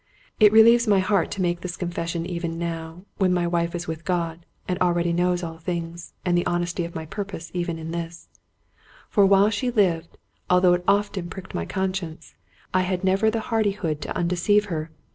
It relieves my heart to make this confession even now, when my wife is with God, and already knows all things, and the honesty of my purpose even in this ; for while she lived, although it often pricked my conscience, I had never the hardihood to undeceive her.